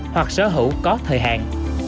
hoặc sở hữu có thời hạn